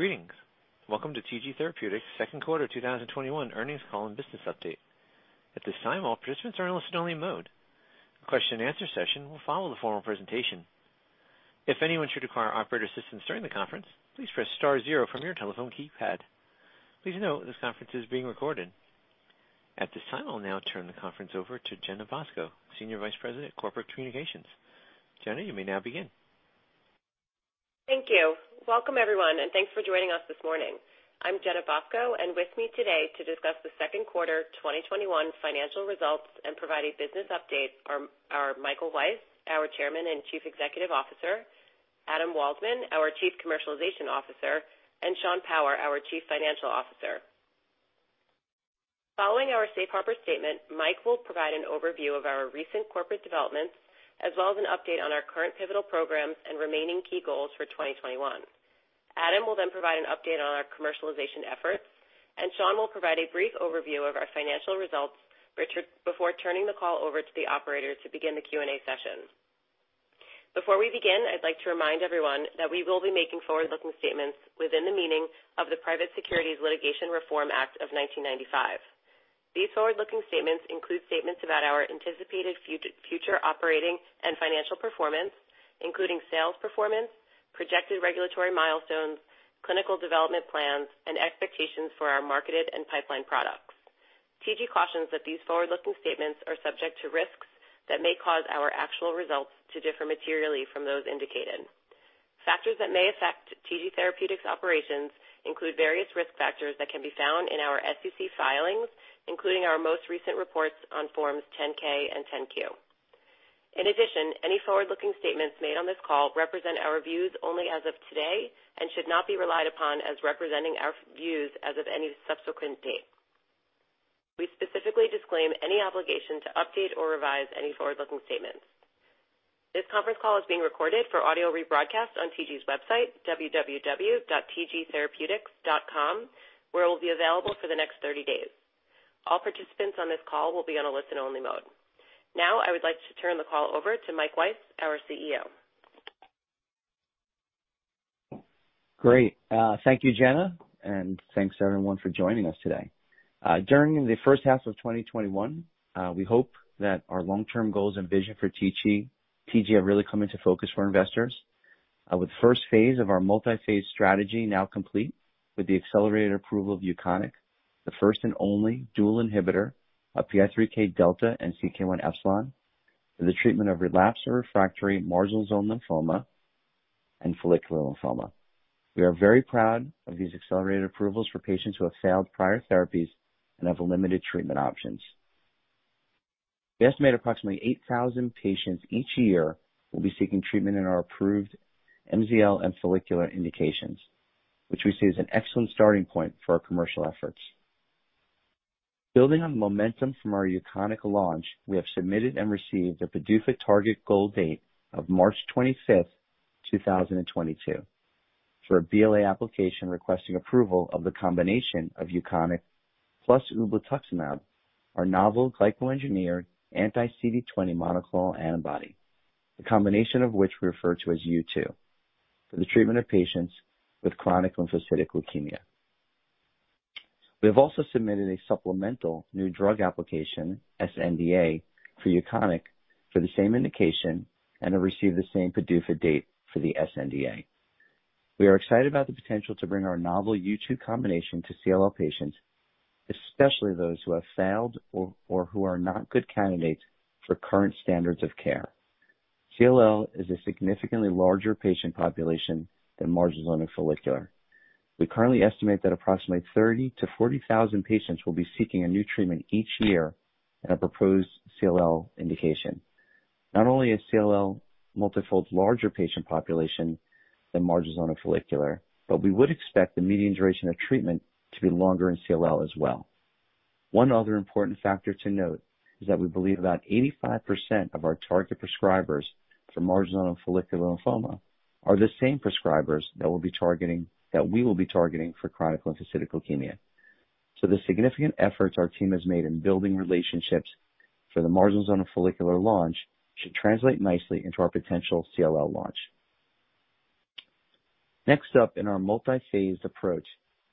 Greetings. Welcome to TG Therapeutics' Second Quarter 2021 Earnings Call and Business Update. At this time, all participants are in listen-only mode. A question-and-answer session will follow the formal presentation. If anyone should require operator assistance during the conference, please press star zero from your telephone keypad. Please note this conference is being recorded. At this time, I'll now turn the conference over to Jenna Bosco, Senior Vice President of Corporate Communications. Jenna, you may now begin. Thank you. Welcome, everyone, and thanks for joining us this morning. I'm Jenna Bosco, and with me today to discuss the second quarter 2021 financial results and provide a business update are Michael Weiss, our Chairman and Chief Executive Officer, Adam Waldman, our Chief Commercialization Officer, and Sean Power, our Chief Financial Officer. Following our safe harbor statement, Mike will provide an overview of our recent corporate developments, as well as an update on our current pivotal programs and remaining key goals for 2021. Adam will then provide an update on our commercialization efforts, and Sean will provide a brief overview of our financial results before turning the call over to the operator to begin the Q&A session. Before we begin, I'd like to remind everyone that we will be making forward-looking statements within the meaning of the Private Securities Litigation Reform Act of 1995. These forward-looking statements include statements about our anticipated future operating and financial performance, including sales performance, projected regulatory milestones, clinical development plans, and expectations for our marketed and pipeline products. TG cautions that these forward-looking statements are subject to risks that may cause our actual results to differ materially from those indicated. Factors that may affect TG Therapeutics' operations include various risk factors that can be found in our SEC filings, including our most recent reports on Forms 10-K and 10-Q. In addition, any forward-looking statements made on this call represent our views only as of today and should not be relied upon as representing our views as of any subsequent date. We specifically disclaim any obligation to update or revise any forward-looking statements. This conference call is being recorded for audio rebroadcast on TG's website, www.tgtherapeutics.com, where it will be available for the next 30 days. All participants on this call will be on a listen-only mode. Now, I would like to turn the call over to Michael Weiss, our CEO. Great. Thank you, Jenna, and thanks, everyone, for joining us today. During the first half of 2021, we hope that our long-term goals and vision for TG have really come into focus for investors. With the first phase of our multi-phase strategy now complete with the accelerated approval of UKONIQ, the first and only dual inhibitor of PI3K-delta and CK1-epsilon for the treatment of relapsed or refractory marginal zone lymphoma and follicular lymphoma. We are very proud of these accelerated approvals for patients who have failed prior therapies and have limited treatment options. We estimate approximately 8,000 patients each year will be seeking treatment in our approved MZL and follicular indications, which we see as an excellent starting point for our commercial efforts. Building on the momentum from our UKONIQ launch, we have submitted and received a PDUFA target goal date of March 25, 2022, for a BLA application requesting approval of the combination of UKONIQ plus ublituximab, our novel glyco-engineered anti-CD20 monoclonal antibody, the combination of which we refer to as U2, for the treatment of patients with chronic lymphocytic leukemia. We have also submitted a supplemental new drug application, sNDA, for UKONIQ for the same indication and have received the same PDUFA date for the sNDA. We are excited about the potential to bring our novel U2 combination to CLL patients, especially those who have failed or who are not good candidates for current standards of care. CLL is a significantly larger patient population than marginal zone and follicular. We currently estimate that approximately 30,000-40,000 patients will be seeking a new treatment each year in a proposed CLL indication. Not only is CLL multifold larger patient population than marginal zone and follicular, but we would expect the median duration of treatment to be longer in CLL as well. One other important factor to note is that we believe about 85% of our target prescribers for marginal zone and follicular lymphoma are the same prescribers that we will be targeting for chronic lymphocytic leukemia. The significant efforts our team has made in building relationships for the marginal zone and follicular launch should translate nicely into our potential CLL launch. Next up in our multi-phased approach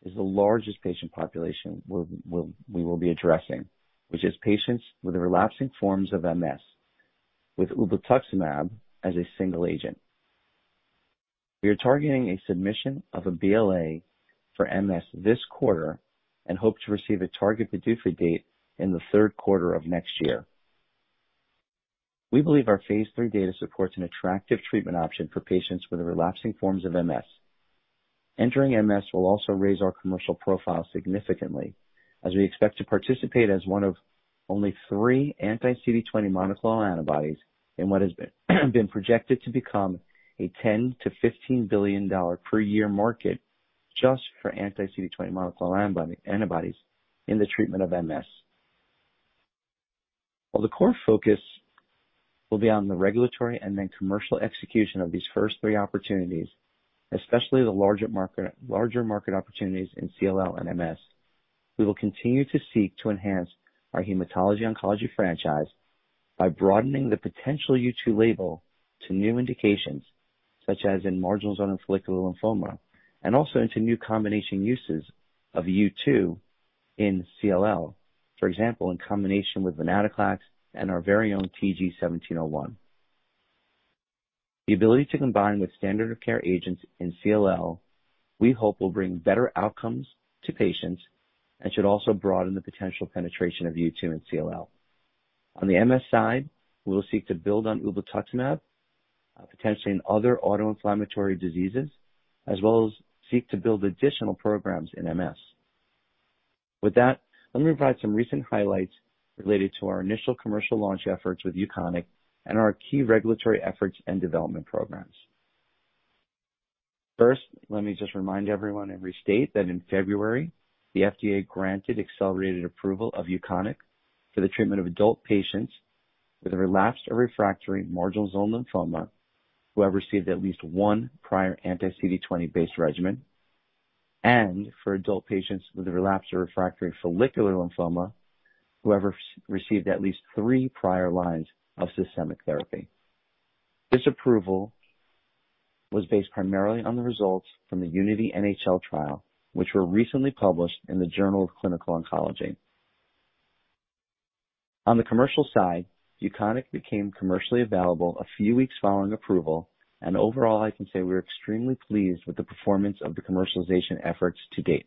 is the largest patient population we will be addressing, which is patients with the relapsing forms of MS, with ublituximab as a single agent. We are targeting a submission of a BLA for MS this quarter and hope to receive a target PDUFA date in the third quarter of next year. We believe our Phase III data supports an attractive treatment option for patients with the relapsing forms of MS. Entering MS will also raise our commercial profile significantly, as we expect to participate as one of only 3 anti-CD20 monoclonal antibodies in what has been projected to become a $10 billion-$15 billion per year market just for anti-CD20 monoclonal antibodies in the treatment of MS. While the core focus will be on the regulatory and then commercial execution of these first three opportunities, especially the larger market opportunities in CLL and MS. We will continue to seek to enhance our hematology oncology franchise by broadening the potential U2 label to new indications, such as in marginal zone and follicular lymphoma, and also into new combination uses of U2 in CLL, for example, in combination with venetoclax and our very own TG-1701. The ability to combine with standard of care agents in CLL, we hope will bring better outcomes to patients and should also broaden the potential penetration of U2 in CLL. On the MS side, we will seek to build on ublituximab, potentially in other autoinflammatory diseases, as well as seek to build additional programs in MS. With that, let me provide some recent highlights related to our initial commercial launch efforts with UKONIQ and our key regulatory efforts and development programs. First, let me just remind everyone and restate that in February, the FDA granted accelerated approval of UKONIQ for the treatment of adult patients with a relapsed or refractory marginal zone lymphoma who have received at least 1 prior anti-CD20 based regimen, and for adult patients with a relapsed or refractory follicular lymphoma who have received at least three prior lines of systemic therapy. This approval was based primarily on the results from the UNITY-NHL trial, which were recently published in the Journal of Clinical Oncology. On the commercial side, UKONIQ became commercially available a few weeks following approval. Overall, I can say we're extremely pleased with the performance of the commercialization efforts to date.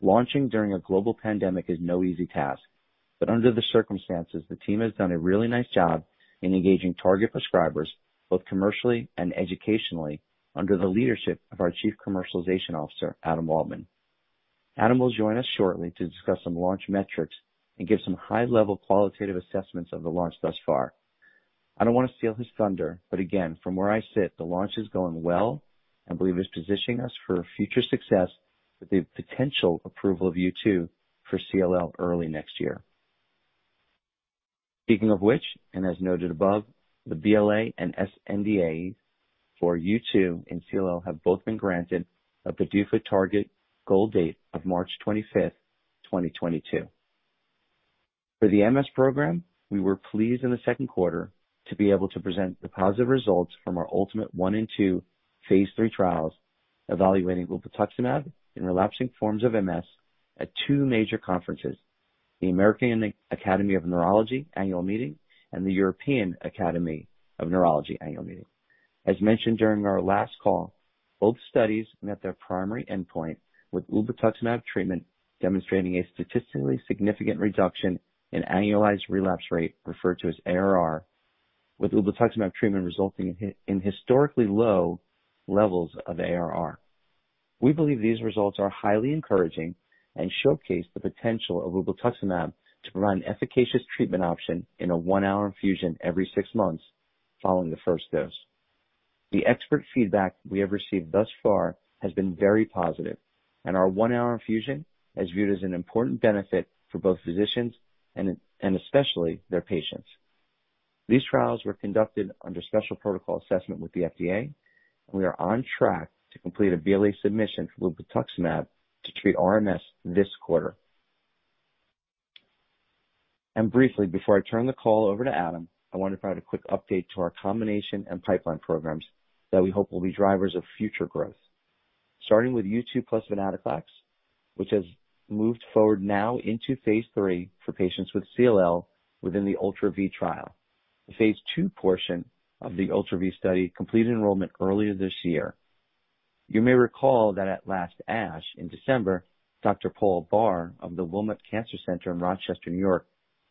Launching during a global pandemic is no easy task. Under the circumstances, the team has done a really nice job in engaging target prescribers, both commercially and educationally, under the leadership of our Chief Commercialization Officer, Adam Waldman. Adam will join us shortly to discuss some launch metrics and give some high-level qualitative assessments of the launch thus far. I don't want to steal his thunder. Again, from where I sit, the launch is going well and believe it's positioning us for future success with the potential approval of U2 for CLL early next year. Speaking of which, as noted above, the BLA and sNDA for U2 and CLL have both been granted a PDUFA target goal date of March 25th, 2022. For the MS program, we were pleased in the second quarter to be able to present the positive results from our ULTIMATE I and II phase III trials evaluating ublituximab in relapsing forms of MS at two major conferences, the American Academy of Neurology Annual Meeting and the European Academy of Neurology Annual Meeting. As mentioned during our last call, both studies met their primary endpoint, with ublituximab treatment demonstrating a statistically significant reduction in annualized relapse rate, referred to as ARR, with ublituximab treatment resulting in historically low levels of ARR. We believe these results are highly encouraging and showcase the potential of ublituximab to provide an efficacious treatment option in a one-hour infusion every six months following the first dose. The expert feedback we have received thus far has been very positive, and our one-hour infusion is viewed as an important benefit for both physicians and especially their patients. These trials were conducted under Special Protocol Assessment with the FDA, and we are on track to complete a BLA submission for ublituximab to treat RMS this quarter. Briefly, before I turn the call over to Adam, I want to provide a quick update to our combination and pipeline programs that we hope will be drivers of future growth. Starting with U2 plus venetoclax, which has moved forward now into phase III for patients with CLL within the ULTRA-V trial. The phase II portion of the ULTRA-V study completed enrollment earlier this year. You may recall that at last ASH in December, Dr. Paul Barr of the Wilmot Cancer Institute in Rochester, N.Y.,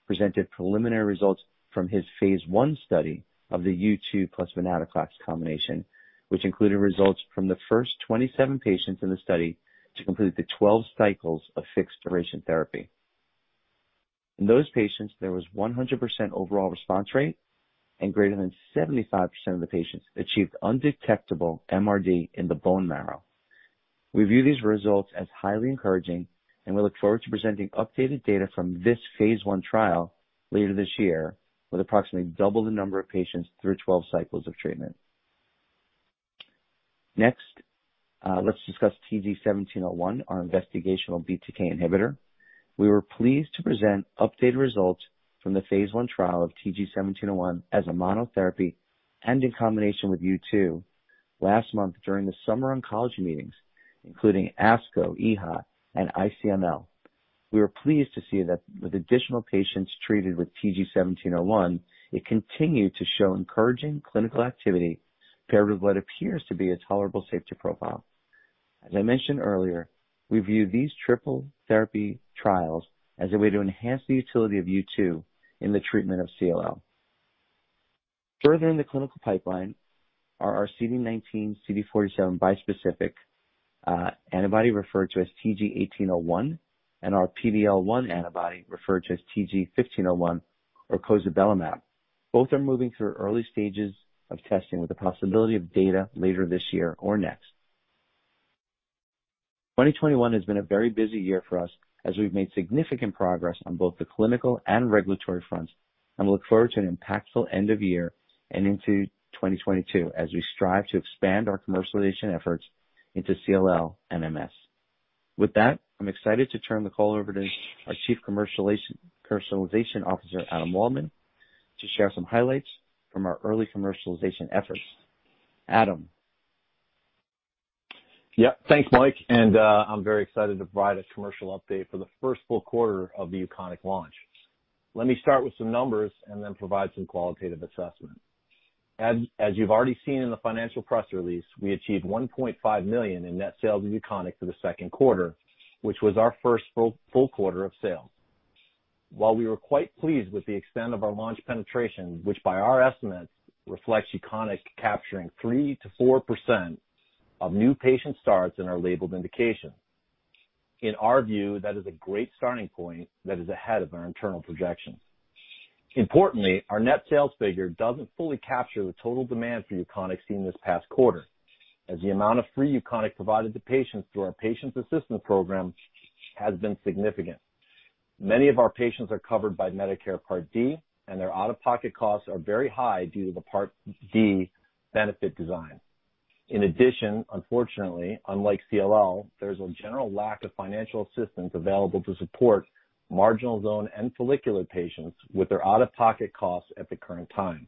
presented preliminary results from his phase I study of the U2 plus venetoclax combination, which included results from the first 27 patients in the study to complete the 12 cycles of fixed duration therapy. In those patients, there was 100% overall response rate and greater than 75% of the patients achieved undetectable MRD in the bone marrow. We view these results as highly encouraging, and we look forward to presenting updated data from this phase I trial later this year with approximately double the number of patients through 12 cycles of treatment. Next, let's discuss TG-1701, our investigational BTK inhibitor. We were pleased to present updated results from the phase I trial of TG-1701 as a monotherapy and in combination with U2 last month during the summer oncology meetings, including ASCO, EHA, and ICML. We were pleased to see that with additional patients treated with TG-1701, it continued to show encouraging clinical activity paired with what appears to be a tolerable safety profile. As I mentioned earlier, we view these triple therapy trials as a way to enhance the utility of U2 in the treatment of CLL. Further in the clinical pipeline are our CD19/CD47 bispecific antibody, referred to as TG-1801, and our PD-L1 antibody, referred to as TG-1501, or cosibelimab. Both are moving through early stages of testing with the possibility of data later this year or next. 2021 has been a very busy year for us as we've made significant progress on both the clinical and regulatory fronts. We look forward to an impactful end of year and into 2022 as we strive to expand our commercialization efforts into CLL and MS. With that, I'm excited to turn the call over to our Chief Commercialization Officer, Adam Waldman, to share some highlights from our early commercialization efforts. Adam? Yeah. Thanks, Mike, and I'm very excited to provide a commercial update for the first full quarter of the UKONIQ launch. Let me start with some numbers and then provide some qualitative assessment. As you've already seen in the financial press release, we achieved $1.5 million in net sales of UKONIQ for the second quarter, which was our first full quarter of sale. While we were quite pleased with the extent of our launch penetration, which by our estimate reflects UKONIQ capturing 3%-4% of new patient starts in our labeled indication. In our view, that is a great starting point that is ahead of our internal projections. Importantly, our net sales figure doesn't fully capture the total demand for UKONIQ seen this past quarter, as the amount of free UKONIQ provided to patients through our patient assistance program has been significant. Many of our patients are covered by Medicare Part D, and their out-of-pocket costs are very high due to the Part D benefit design. In addition, unfortunately, unlike CLL, there's a general lack of financial assistance available to support marginal zone and follicular patients with their out-of-pocket costs at the current time.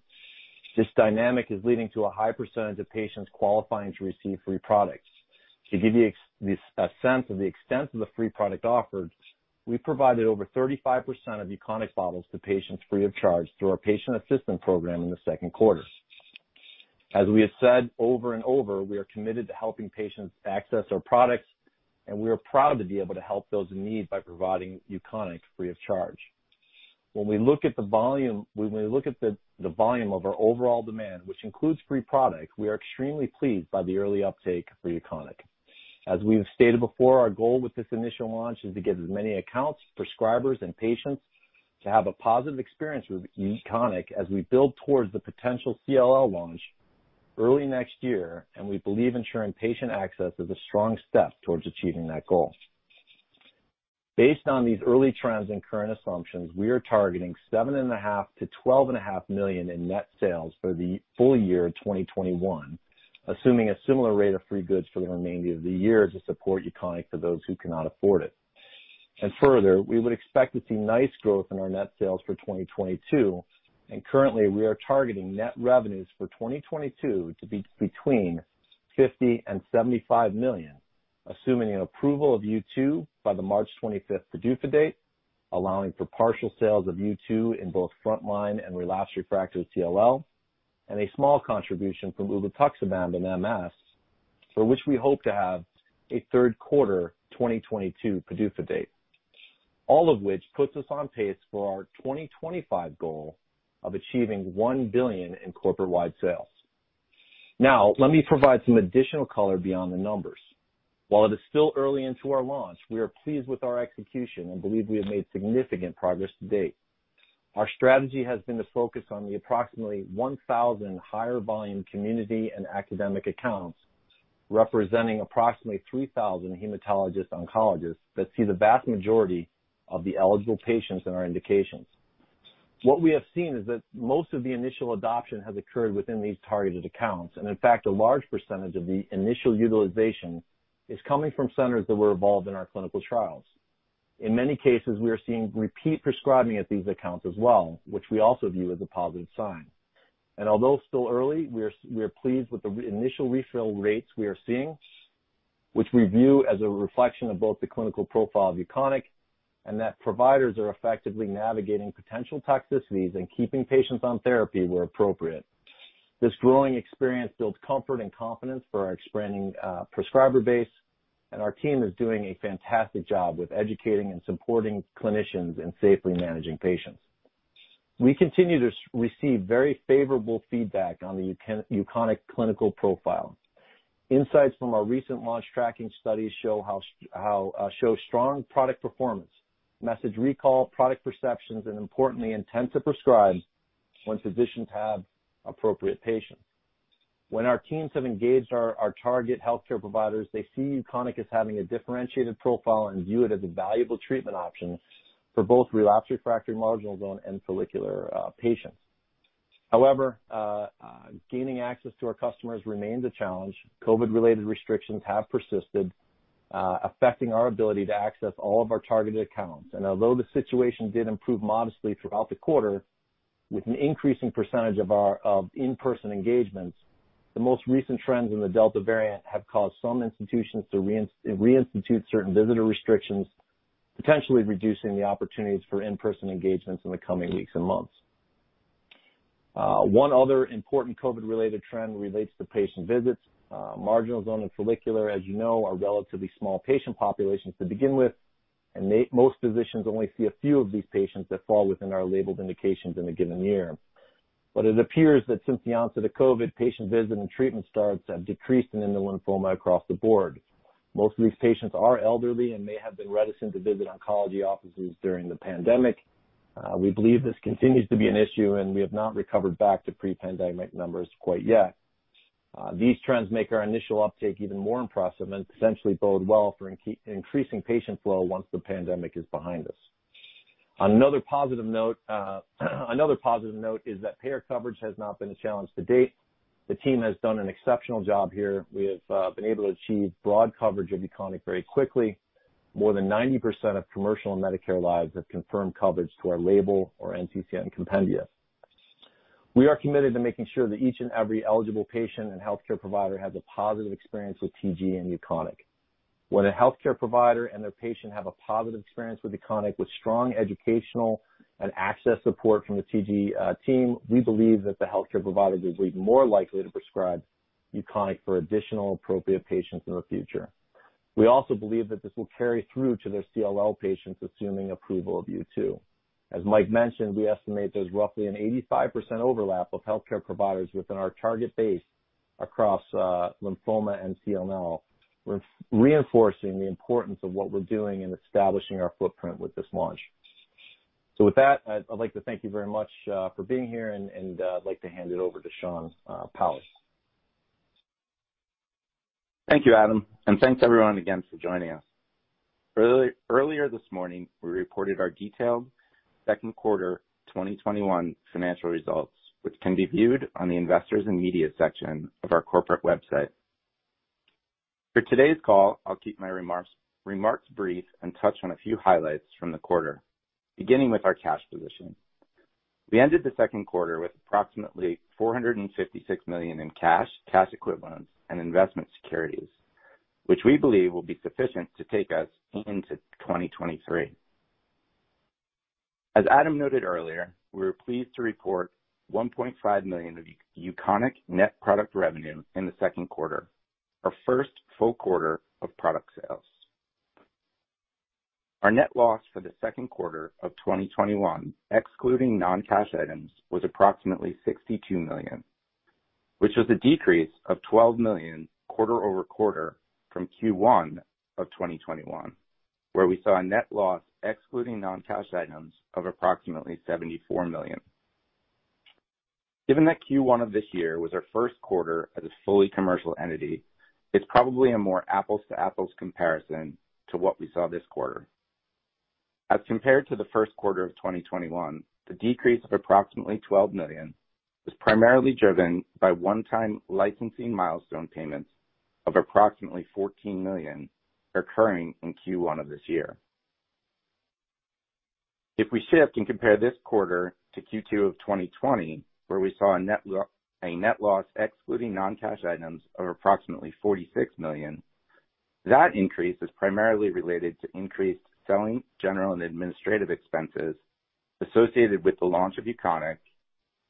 This dynamic is leading to a high percentage of patients qualifying to receive free products. To give you a sense of the extent of the free product offered, we provided over 35% of UKONIQ bottles to patients free of charge through our patient assistance program in the second quarter. As we have said over and over, we are committed to helping patients access our products, and we are proud to be able to help those in need by providing UKONIQ free of charge. When we look at the volume of our overall demand, which includes free product, we are extremely pleased by the early uptake for UKONIQ. As we've stated before, our goal with this initial launch is to get as many accounts, prescribers, and patients to have a positive experience with UKONIQ as we build towards the potential CLL launch early next year, and we believe ensuring patient access is a strong step towards achieving that goal. Based on these early trends and current assumptions, we are targeting $7.5 million to $12.5 million in net sales for the full year 2021, assuming a similar rate of free goods for the remainder of the year to support UKONIQ for those who cannot afford it. Further, we would expect to see nice growth in our net sales for 2022, and currently, we are targeting net revenues for 2022 to be between $50 million and $75 million, assuming an approval of U2 by the March 25th PDUFA date, allowing for partial sales of U2 in both frontline and relapsed/refractory CLL, and a small contribution from ublituximab in MS, for which we hope to have a third quarter 2022 PDUFA date. All of which puts us on pace for our 2025 goal of achieving $1 billion in corporate-wide sales. Now, let me provide some additional color beyond the numbers. While it is still early into our launch, we are pleased with our execution and believe we have made significant progress to date. Our strategy has been to focus on the approximately 1,000 higher volume community and academic accounts, representing approximately 3,000 hematologist oncologists that see the vast majority of the eligible patients in our indications. What we have seen is that most of the initial adoption has occurred within these targeted accounts, and in fact, a large percentage of the initial utilization is coming from centers that were involved in our clinical trials. In many cases, we are seeing repeat prescribing at these accounts as well, which we also view as a positive sign. Although still early, we are pleased with the initial refill rates we are seeing, which we view as a reflection of both the clinical profile of UKONIQ and that providers are effectively navigating potential toxicities and keeping patients on therapy where appropriate. This growing experience builds comfort and confidence for our expanding prescriber base, and our team is doing a fantastic job with educating and supporting clinicians in safely managing patients. We continue to receive very favorable feedback on the UKONIQ clinical profile. Insights from our recent launch tracking studies show strong product performance, message recall, product perceptions, and importantly, intent to prescribe when physicians have appropriate patients. When our teams have engaged our target healthcare providers, they see UKONIQ as having a differentiated profile and view it as a valuable treatment option for both relapsed/refractory marginal zone and follicular patients. However, gaining access to our customers remains a challenge. COVID-related restrictions have persisted, affecting our ability to access all of our targeted accounts. Although the situation did improve modestly throughout the quarter with an increasing percentage of in-person engagements, the most recent trends in the Delta variant have caused some institutions to reinstitute certain visitor restrictions, potentially reducing the opportunities for in-person engagements in the coming weeks and months. One other important COVID-related trend relates to patient visits. marginal zone and follicular, as you know, are relatively small patient populations to begin with, and most physicians only see a few of these patients that fall within our labeled indications in a given year. It appears that since the onset of COVID, patient visit and treatment starts have decreased in lymphoma across the board. Most of these patients are elderly and may have been reticent to visit oncology offices during the pandemic. We believe this continues to be an issue, and we have not recovered back to pre-pandemic numbers quite yet. These trends make our initial uptake even more impressive and essentially bode well for increasing patient flow once the pandemic is behind us. Another positive note is that payer coverage has not been a challenge to date. The team has done an exceptional job here. We have been able to achieve broad coverage of UKONIQ very quickly. More than 90% of commercial and Medicare lives have confirmed coverage to our label or NCCN compendia. We are committed to making sure that each and every eligible patient and healthcare provider has a positive experience with TG and UKONIQ. When a healthcare provider and their patient have a positive experience with UKONIQ, with strong educational and access support from the TG team, we believe that the healthcare provider is way more likely to prescribe UKONIQ for additional appropriate patients in the future. We also believe that this will carry through to their CLL patients, assuming approval of U2. As Mike mentioned, we estimate there's roughly an 85% overlap of healthcare providers within our target base across lymphoma and CLL. We're reinforcing the importance of what we're doing in establishing our footprint with this launch. With that, I'd like to thank you very much for being here and I'd like to hand it over to Sean Power. Thank you, Adam, and thanks everyone again for joining us. Earlier this morning, we reported our detailed second quarter 2021 financial results, which can be viewed on the investors and media section of our corporate website. For today's call, I'll keep my remarks brief and touch on a few highlights from the quarter, beginning with our cash position. We ended the second quarter with approximately $456 million in cash equivalents, and investment securities, which we believe will be sufficient to take us into 2023. As Adam noted earlier, we were pleased to report $1.5 million of UKONIQ net product revenue in the second quarter, our first full quarter of product sales. Our net loss for the second quarter of 2021, excluding non-cash items, was approximately $62 million, which was a decrease of $12 million quarter-over-quarter from Q1 of 2021, where we saw a net loss, excluding non-cash items, of approximately $74 million. Given that Q1 of this year was our first quarter as a fully commercial entity, it's probably a more apples to apples comparison to what we saw this quarter. As compared to the first quarter of 2021, the decrease of approximately $12 million was primarily driven by one-time licensing milestone payments of approximately $14 million occurring in Q1 of this year. If we shift and compare this quarter to Q2 of 2020, where we saw a net loss excluding non-cash items of approximately $46 million, that increase is primarily related to increased selling, general and administrative expenses associated with the launch of UKONIQ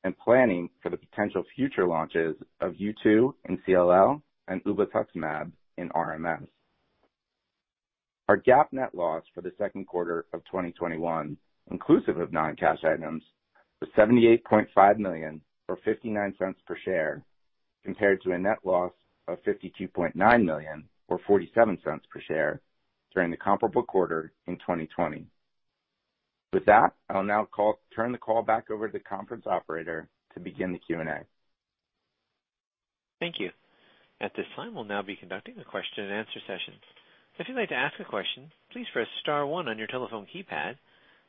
and planning for the potential future launches of U2 in CLL and ublituximab in RMS. Our GAAP net loss for the second quarter of 2021, inclusive of non-cash items, was $78.5 million, or $0.59 per share, compared to a net loss of $52.9 million or $0.47 per share during the comparable quarter in 2020. With that, I'll now turn the call back over to the conference operator to begin the Q&A. Thank you. At this time, we'll now be conducting the question-and-answer session. If you'd like to ask a question, please press star one on your telephone keypad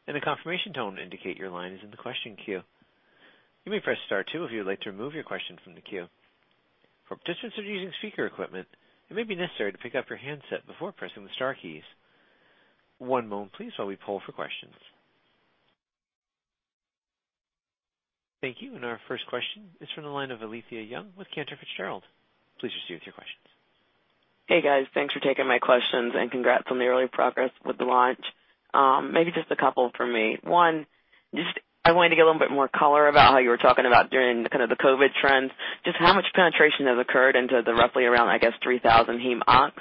and a confirmation tone to indicate your line is in the question queue. You may press star two if you would like to remove your question from the queue. For participants that are using speaker equipment, it may be necessary to pick up your handset before pressing the star keys. One moment please while we poll for questions. Thank you. Our first question is from the line of Alethia Young with Cantor Fitzgerald. Please proceed with your questions. Hey, guys. Thanks for taking my questions and congrats on the early progress with the launch. Maybe just a couple from me. One, I wanted to get a little bit more color about how you were talking about during kind of the COVID trends, just how much penetration has occurred into the roughly around, I guess, 3,000 heme-onc?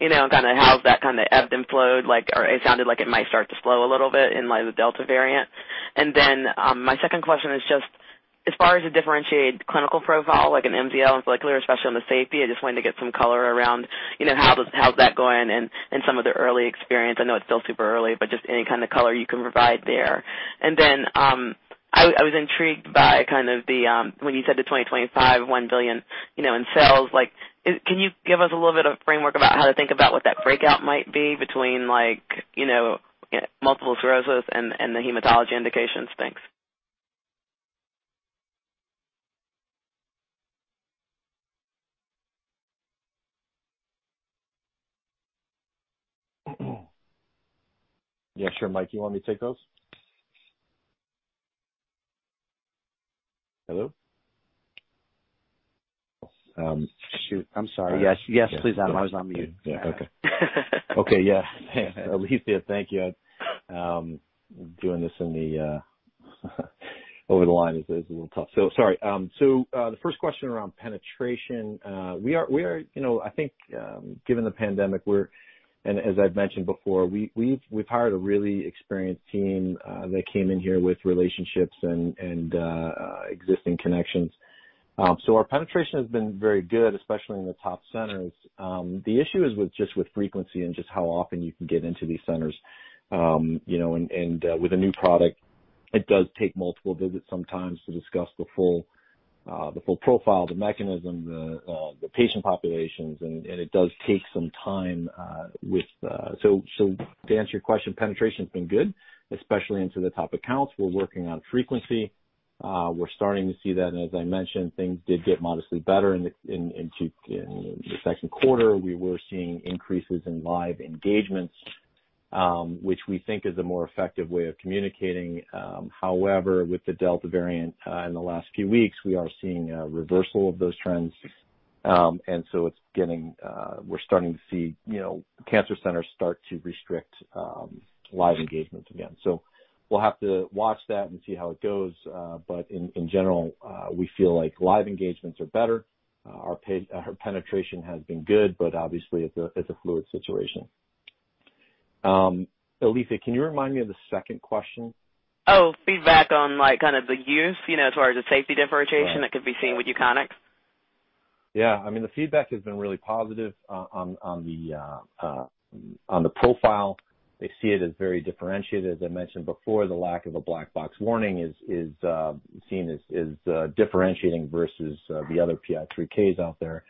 Kind of how's that kind of ebbed and flowed? It sounded like it might start to slow a little bit in light of the Delta variant. My second question is just as far as a differentiated clinical profile, like in MZL and follicular, especially on the safety, I just wanted to get some color around how's that going and some of the early experience. I know it's still super early, but just any kind of color you can provide there. I was intrigued by when you said the 2025 $1 billion in sales. Can you give us a little bit of framework about how to think about what that breakout might be between multiple sclerosis and the hematology indications? Thanks. Yeah, sure. Mike, you want me to take those? Hello? Shoot. I'm sorry. Yes, please, Adam. I was on mute. Yeah. Okay. Okay. Yeah. Alethia Young, thank you. Over the line is a little tough. Sorry. The first question around penetration. I think given the pandemic, and as I've mentioned before, we've hired a really experienced team that came in here with relationships and existing connections. Our penetration has been very good, especially in the top centers. The issue is just with frequency and just how often you can get into these centers. With a new product, it does take multiple visits sometimes to discuss the full profile, the mechanism, the patient populations, and it does take some time. To answer your question, penetration's been good, especially into the top accounts. We're working on frequency. We're starting to see that, and as I mentioned, things did get modestly better in the second quarter. We were seeing increases in live engagements, which we think is a more effective way of communicating. However, with the Delta variant in the last few weeks, we are seeing a reversal of those trends. We're starting to see cancer centers start to restrict live engagements again. We'll have to watch that and see how it goes. In general, we feel like live engagements are better. Our penetration has been good, but obviously it's a fluid situation. Alethia, can you remind me of the second question? Oh, feedback on kind of the use, as far as the safety differentiation that could be seen with UKONIQ. Yeah. The feedback has been really positive on the profile. They see it as very differentiated. As I mentioned before, the lack of a black box warning is seen as differentiating versus the other PI3Ks out there.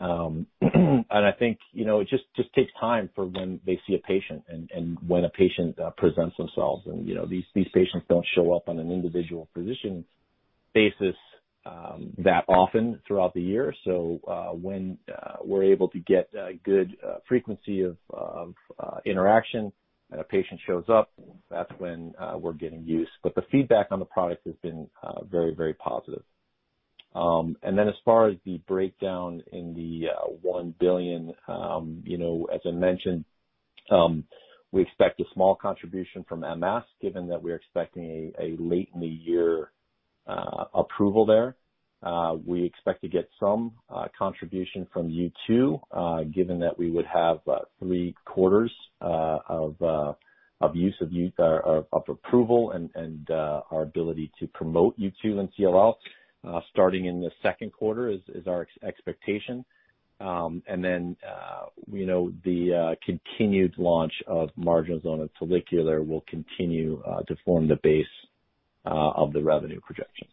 I think it just takes time for when they see a patient and when a patient presents themselves and these patients don't show up on an individual physician basis that often throughout the year. When we're able to get a good frequency of interaction and a patient shows up, that's when we're getting use. The feedback on the product has been very positive. As far as the breakdown in the $1 billion, as I mentioned, we expect a small contribution from MS, given that we're expecting a late in the year approval there. We expect to get some contribution from U2, given that we would have three quarters of approval and our ability to promote U2 in CLL, starting in the second quarter is our expectation. The continued launch of marginal zone and follicular will continue to form the base of the revenue projection.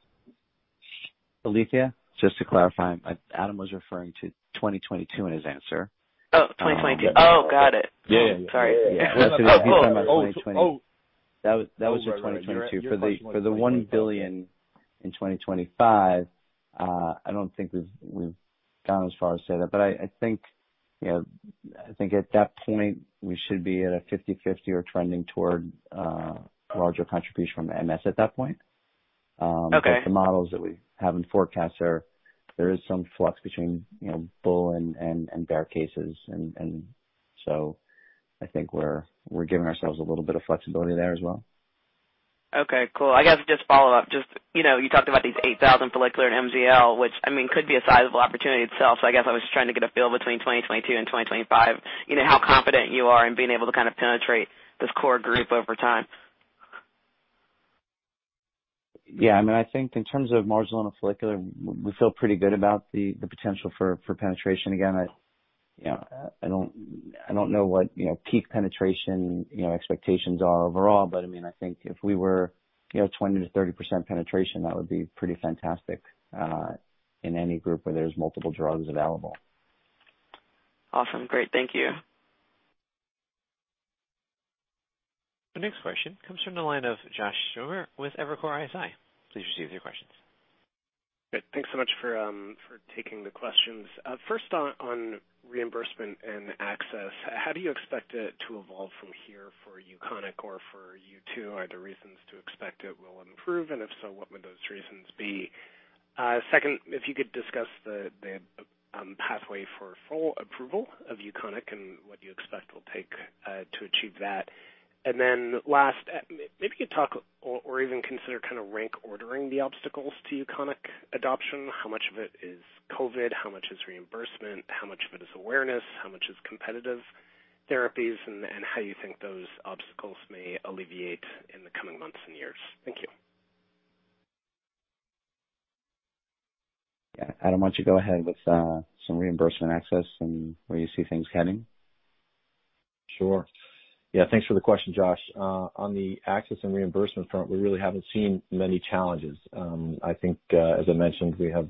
Alethia, just to clarify, Adam was referring to 2022 in his answer. Oh 2022. Oh, got it. Yeah. Sorry. Oh, cool. He's talking about 2020. That was your 2022. For the $1 billion in 2025, I don't think we've gone as far as say that, but I think at that point, we should be at a 50/50 or trending toward a larger contribution from MS at that point. Okay. The models that we have in forecast there is some flux between bull and bear cases. I think we're giving ourselves a little bit of flexibility there as well. Okay, cool. I guess just follow up, you talked about these 8,000 follicular and MZL, which could be a sizable opportunity itself. I guess I was just trying to get a feel between 2022 and 2025, how confident you are in being able to kind of penetrate this core group over time. Yeah, I think in terms of marginal and follicular, we feel pretty good about the potential for penetration. I don't know what peak penetration expectations are overall, but I think if we were 20%-30% penetration, that would be pretty fantastic, in any group where there's multiple drugs available. Awesome. Great. Thank you. The next question comes from the line of Josh Schimmer with Evercore ISI. Please proceed with your questions. Great. Thanks so much for taking the questions. First on reimbursement and access, how do you expect it to evolve from here for UKONIQ or for U2? Are there reasons to expect it will improve, and if so, what would those reasons be? Second, if you could discuss the pathway for full approval of UKONIQ and what you expect it'll take to achieve that. Last, maybe you could talk or even consider rank ordering the obstacles to UKONIQ adoption. How much of it is COVID? How much is reimbursement? How much of it is awareness? How much is competitive therapies, and you think those obstacles may alleviate in the coming months and years? Thank you. Yeah. Adam, why don't you go ahead with some reimbursement access and where you see things heading. Sure. Yeah. Thanks for the question, Josh. On the access and reimbursement front, we really haven't seen many challenges. I think, as I mentioned, we have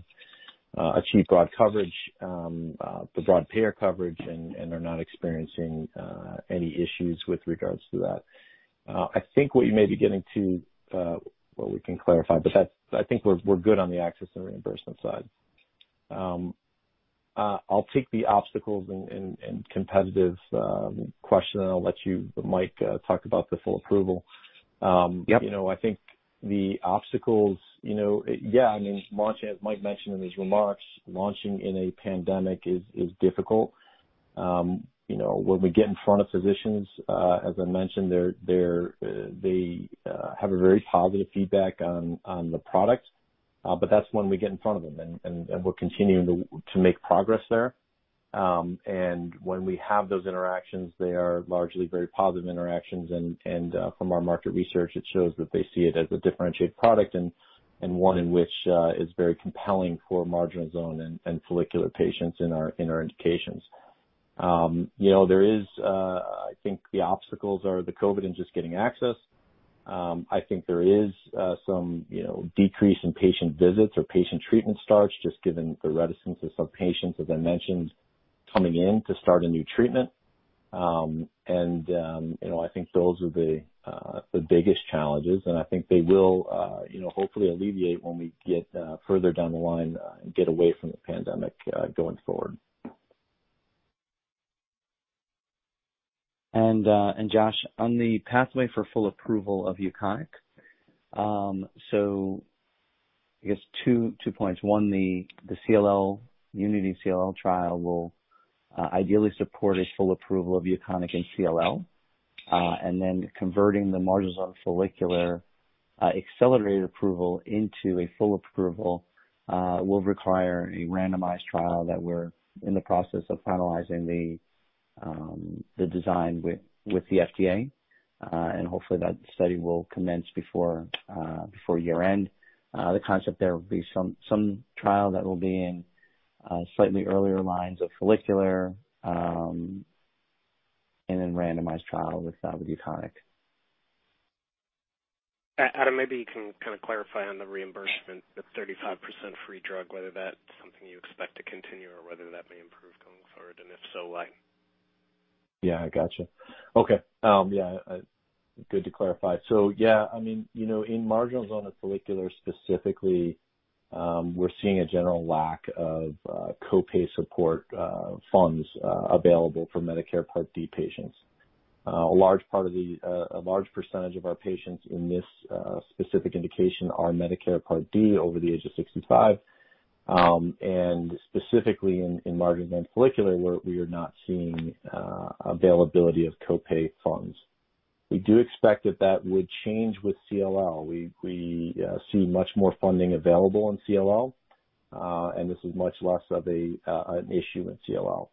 achieved broad coverage, the broad payer coverage, and are not experiencing any issues with regards to that. I think what you may be getting to, well, we can clarify, but I think we're good on the access and reimbursement side. I'll take the obstacles and competitive question, and I'll let you, Mike, talk about the full approval. Yep. I think the obstacles, yeah, as Michael Weiss mentioned in his remarks, launching in a pandemic is difficult. When we get in front of physicians, as I mentioned, they have a very positive feedback on the product. That's when we get in front of them, and we're continuing to make progress there. When we have those interactions, they are largely very positive interactions and from our market research, it shows that they see it as a differentiated product and one in which is very compelling for marginal zone and follicular patients in our indications. I think the obstacles are the COVID and just getting access. I think there is some decrease in patient visits or patient treatment starts, just given the reticence of some patients, as I mentioned, coming in to start a new treatment. I think those are the biggest challenges, and I think they will hopefully alleviate when we get further down the line and get away from the pandemic going forward. Josh, on the pathway for full approval of UKONIQ. I guess two points. One, the UNITY-CLL trial will ideally support a full approval of UKONIQ in CLL. Then converting the marginal zone follicular accelerated approval into a full approval will require a randomized trial that we're in the process of finalizing the design with the FDA. Hopefully that study will commence before year-end. The concept there will be some trial that will be in slightly earlier lines of follicular, and then randomized trials with UKONIQ. Adam, maybe you can kind of clarify on the reimbursement, the 35% free drug, whether that's something you expect to continue or whether that may improve going forward, and if so, why? Yeah, gotcha. Okay. Yeah. Good to clarify. In marginal zone and follicular specifically, we're seeing a general lack of co-pay support funds available for Medicare Part D patients. A large percentage of our patients in this specific indication are Medicare Part D over the age of 65, and specifically in marginal and follicular, where we are not seeing availability of co-pay funds. We do expect that that would change with CLL. We see much more funding available in CLL, and this is much less of an issue in CLL.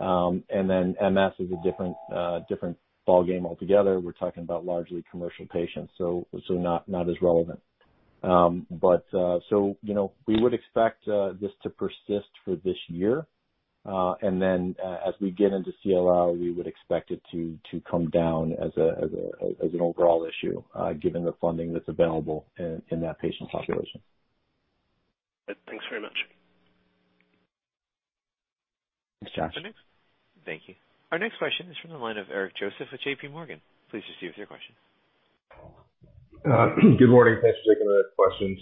MS is a different ballgame altogether. We're talking about largely commercial patients, so not as relevant. We would expect this to persist for this year, and then as we get into CLL, we would expect it to come down as an overall issue, given the funding that's available in that patient population. Thanks very much. Thanks, Josh. Thank you. Our next question is from the line of Eric Joseph with JPMorgan. Please proceed with your question. Good morning. Thanks for taking the questions.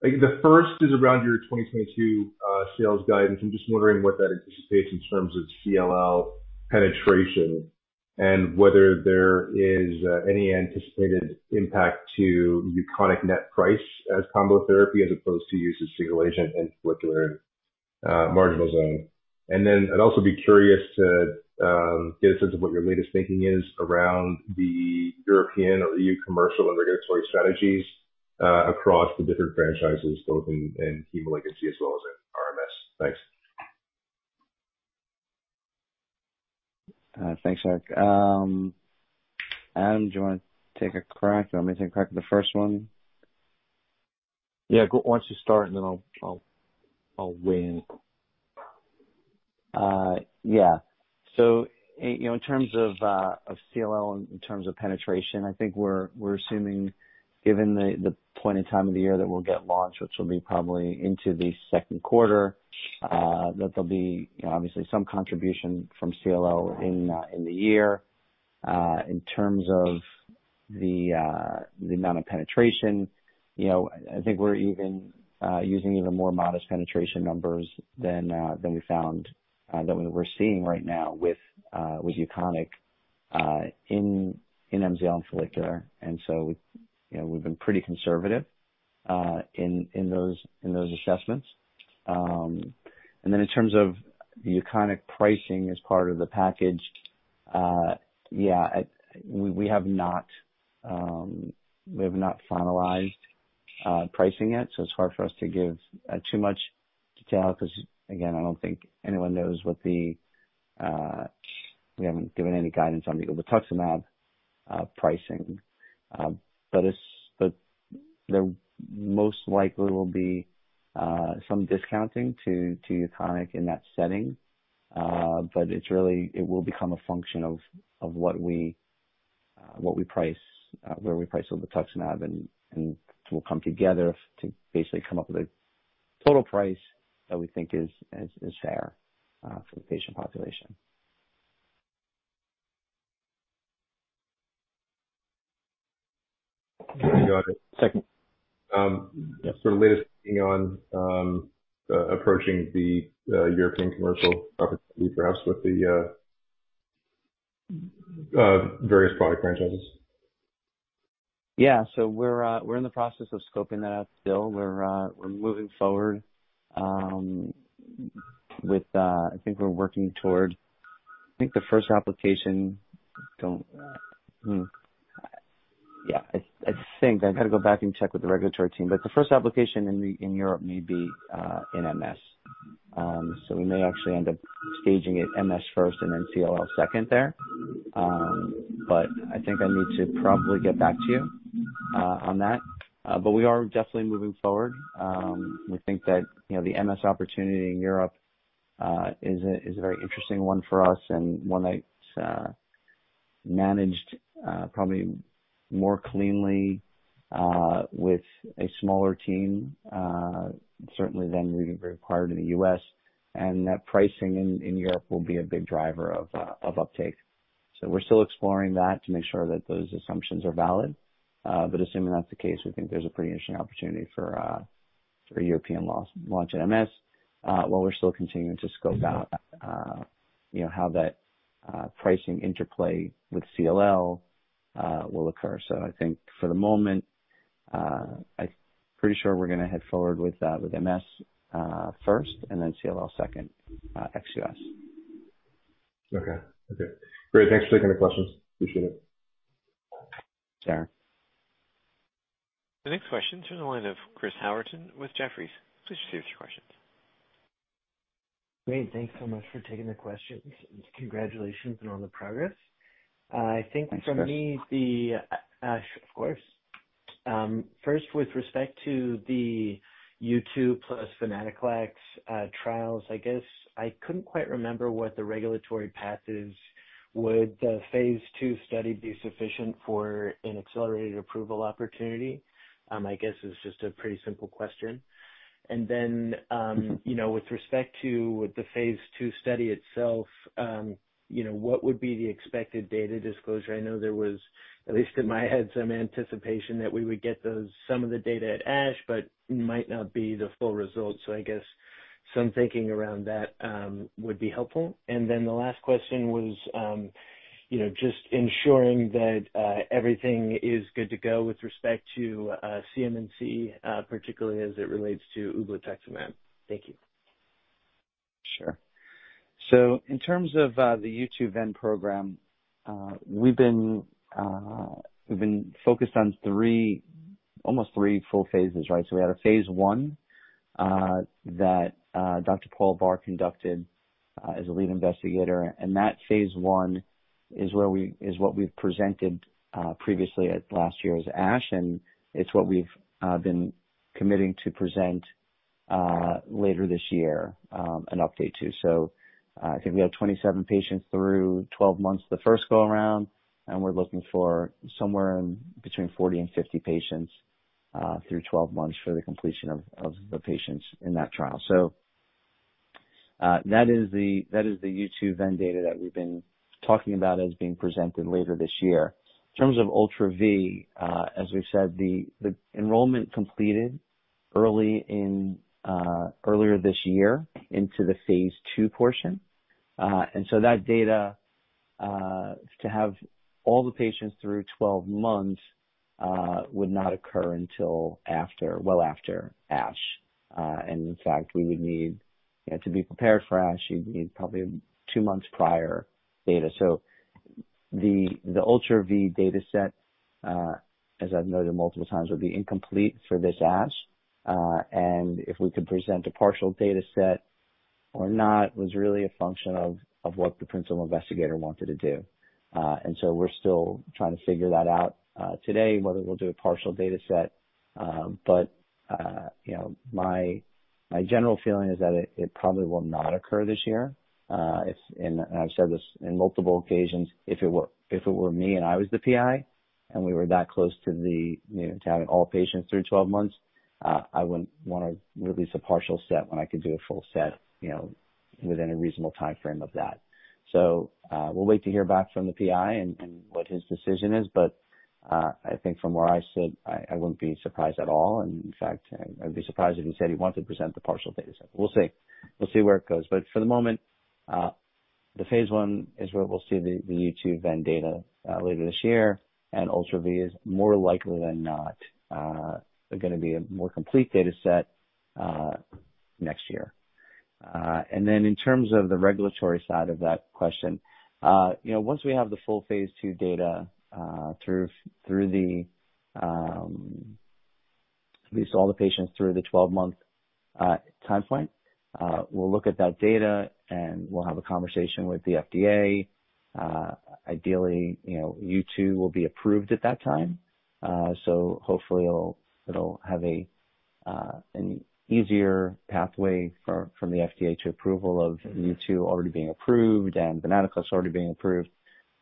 The first is around your 2022 sales guidance. I'm just wondering what that anticipates in terms of CLL penetration and whether there is any anticipated impact to UKONIQ net price as combo therapy as opposed to use as single agent in follicular and marginal zone. I'd also be curious to get a sense of what your latest thinking is around the European or EU commercial and regulatory strategies across the different franchises, both in heme-onc as well as in RMS. Thanks. Thanks, Eric. Adam, do you want to take a crack or want me to take a crack at the first one? Yeah, go once you start, and then I'll weigh in. Yeah. In terms of CLL, in terms of penetration, I think we're assuming, given the point in time of the year that we'll get launch, which will be probably into the second quarter, that there'll be obviously some contribution from CLL in the year. In terms of the amount of penetration, I think we're even using even more modest penetration numbers than we were seeing right now with UKONIQ in MZ and follicular. We've been pretty conservative in those assessments. In terms of the UKONIQ pricing as part of the package, yeah, we have not finalized pricing yet, so it's hard for us to give too much detail because, again, I don't think anyone knows. We haven't given any guidance on obinutuzumab pricing. There most likely will be some discounting to UKONIQ in that setting. It will become a function of where we price obinutuzumab, and we'll come together to basically come up with a total price that we think is fair for the patient population. Sorry, go ahead. Second. For latest thinking on approaching the European commercial opportunity, perhaps with the various product franchises. Yeah. We're in the process of scoping that out still. We're moving forward. I think we're working toward the first application. Yeah, I think. I'd have to go back and check with the regulatory team, the first application in Europe may be in MS. We may actually end up staging it MS first and then CLL second there. I think I need to probably get back to you on that. We are definitely moving forward. We think that the MS opportunity in Europe is a very interesting one for us and one that's managed probably more cleanly with a smaller team, certainly than we require in the U.S. That pricing in Europe will be a big driver of uptake. We're still exploring that to make sure that those assumptions are valid. Assuming that's the case, we think there's a pretty interesting opportunity for a European launch at MS, while we're still continuing to scope out how that pricing interplay with CLL will occur. I think for the moment, I'm pretty sure we're going to head forward with MS first and then CLL second, ex-US. Okay. Great. Thanks for taking the questions. Appreciate it. Sure. The next question is from the line of Chris Howerton with Jefferies. Please proceed with your questions. Great. Thanks so much for taking the questions, and congratulations on all the progress. Thanks, Chris. Sure. Of course. First, with respect to the U2 + venetoclax trials, I guess I couldn't quite remember what the regulatory path is. Would the phase II study be sufficient for an accelerated approval opportunity? I guess it's just a pretty simple question. With respect to the phase II study itself, what would be the expected data disclosure? I know there was, at least in my head, some anticipation that we would get some of the data at ASH, but might not be the full results. I guess some thinking around that would be helpful. The last question was just ensuring that everything is good to go with respect to CMC, particularly as it relates to obinutuzumab. Thank you. Sure. In terms of the U2Ven program, we've been focused on almost three full phases, right? We had a phase I that Dr. Paul Barr conducted as a lead investigator, and that phase I is what we've presented previously at last year's ASH, and it's what we've been committing to present later this year, an update to. I think we have 27 patients through 12 months the first go around, and we're looking for somewhere between 40 and 50 patients through 12 months for the completion of the patients in that trial. That is the U2Ven data that we've been talking about as being presented later this year. In terms of ULTRA-V, as we've said, the enrollment completed earlier this year into the phase II portion. That data, to have all the patients through 12 months, would not occur until well after ASH. In fact, to be prepared for ASH, you'd need probably two months prior data. The ULTRA-V data set, as I've noted multiple times, would be incomplete for this ASH. If we could present a partial data set or not was really a function of what the principal investigator wanted to do. We're still trying to figure that out today, whether we'll do a partial data set. My general feeling is that it probably will not occur this year. I've said this in multiple occasions, if it were me and I was the PI, and we were that close to having all patients through 12 months, I wouldn't want to release a partial set when I could do a full set within a reasonable timeframe of that. We'll wait to hear back from the PI and what his decision is. I think from where I sit, I wouldn't be surprised at all, and in fact, I'd be surprised if he said he wanted to present the partial data set. We'll see. We'll see where it goes. For the moment, the phase I is where we'll see the U2Ven data later this year, and ULTRA-V is more likely than not going to be a more complete data set next year. Then in terms of the regulatory side of that question, once we have the full phase II data, at least all the patients through the 12-month time frame, we'll look at that data, and we'll have a conversation with the FDA. Ideally, U2 will be approved at that time. Hopefully it'll have an easier pathway from the FDA to approval of U2 already being approved and venetoclax already being approved.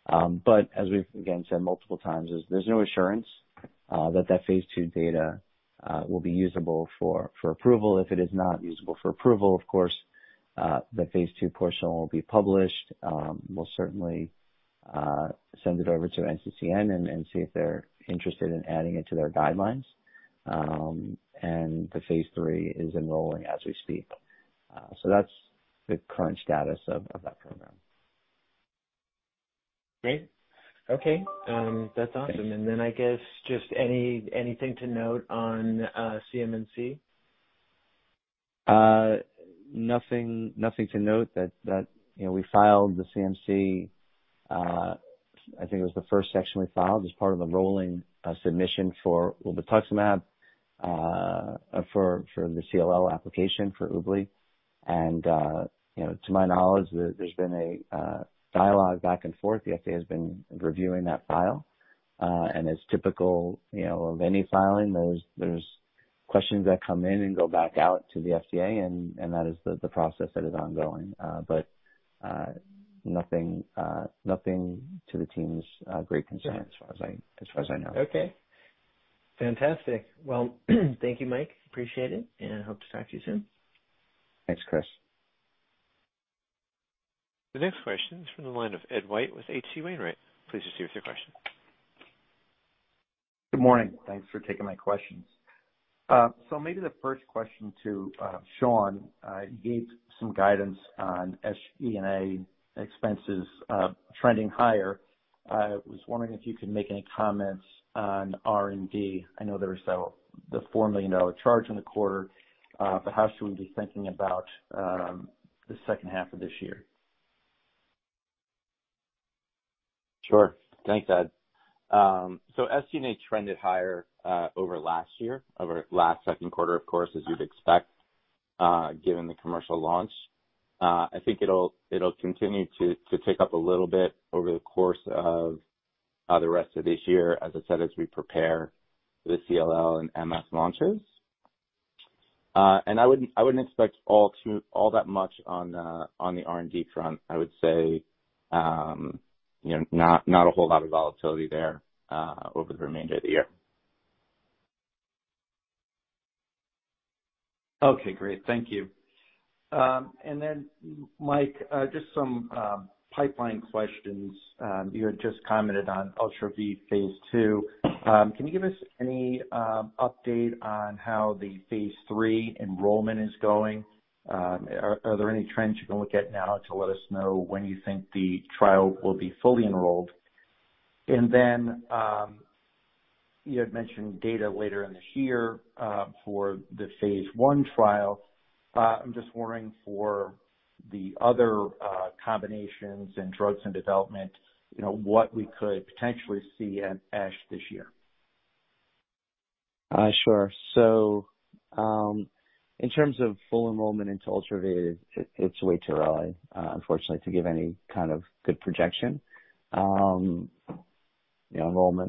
As we've, again, said multiple times, there's no assurance that phase II data will be usable for approval. If it is not usable for approval, of course, the phase II portion will be published. We'll certainly send it over to NCCN and see if they're interested in adding it to their guidelines. The phase III is enrolling as we speak. That's the current status of that program. Great. Okay. That's awesome. I guess just anything to note on CMC? Nothing to note. We filed the CMC. I think it was the first section we filed as part of the rolling submission for obinutuzumab. For the CLL application for ublituximab. To my knowledge, there's been a dialogue back and forth. The FDA has been reviewing that file. As typical of any filing, there's questions that come in and go back out to the FDA, and that is the process that is ongoing. Nothing to the team's great concern as far as I know. Okay. Fantastic. Well, thank you, Mike. Appreciate it, and hope to talk to you soon. Thanks, Chris. The next question is from the line of Ed White with H.C. Wainwright. Please proceed with your question. Good morning. Thanks for taking my questions. Maybe the first question to Sean. You gave some guidance on SG&A expenses trending higher. I was wondering if you could make any comments on R&D. I know there was the $4 million charge in the quarter. How should we be thinking about the second half of this year? Thanks, Ed. SG&A trended higher over last year, over last second quarter, of course, as you'd expect, given the commercial launch. I think it'll continue to tick up a little bit over the course of the rest of this year, as I said, as we prepare for the CLL and MS launches. I wouldn't expect all that much on the R&D front. I would say not a whole lot of volatility there over the remainder of the year. Okay, great. Thank you. Mike, just some pipeline questions. You had just commented on ULTRA-V phase II. Can you give us any update on how the phase III enrollment is going? Are there any trends you can look at now to let us know when you think the trial will be fully enrolled? You had mentioned data later in the year for the phase I trial. I'm just wondering for the other combinations and drugs in development, what we could potentially see at ASH this year. Sure. In terms of full enrollment into ULTRA-V, it's way too early, unfortunately, to give any kind of good projection. Enrollment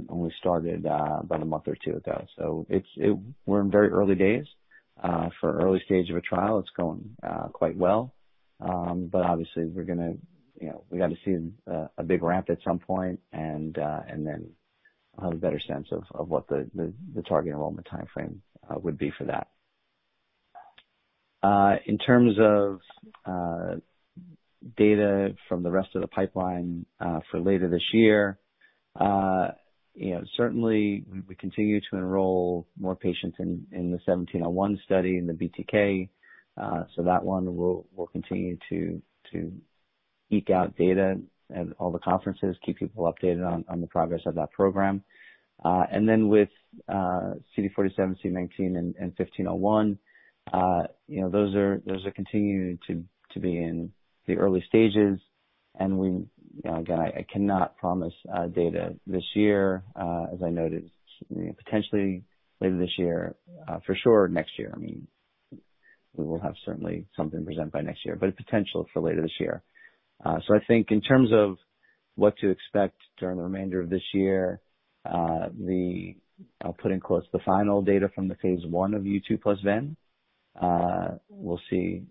only started about one month or two ago, we're in very early days. For early stage of a trial, it's going quite well. Obviously we've got to see a big ramp at some point and then we'll have a better sense of what the target enrollment timeframe would be for that. In terms of data from the rest of the pipeline for later this year, certainly we continue to enroll more patients in the TG-1701 study in the BTK. That one we'll continue to eke out data at all the conferences, keep people updated on the progress of that program. With CD47, CD19, and TG-1801, those are continuing to be in the early stages. Again, I cannot promise data this year. As I noted, potentially later this year. For sure next year. We will have certainly something to present by next year, but potential for later this year. I think in terms of what to expect during the remainder of this year, I'll put in quotes, the final data from the phase I of U2 plus ven we'll see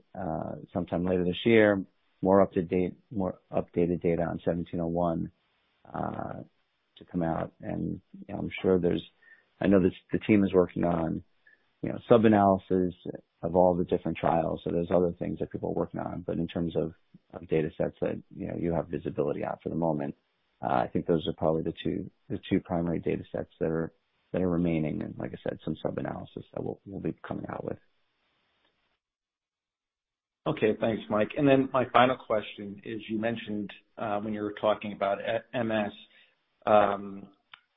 sometime later this year, more updated data on 1701 to come out. I know the team is working on sub-analysis of all the different trials. There's other things that people are working on. In terms of datasets that you have visibility of for the moment, I think those are probably the two primary datasets that are remaining and like I said, some sub-analysis that we'll be coming out with. Okay, thanks, Mike. My final question is, you mentioned when you were talking about MS,